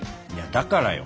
だからよ。